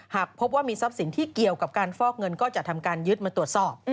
หากพบว่ามีทรัพย์สินที่เกี่ยวกับการฟอกเงินก็จะทำการยึดมาตรวจสอบ